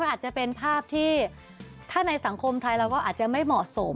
อาจจะเป็นภาพที่ถ้าในสังคมไทยเราก็อาจจะไม่เหมาะสม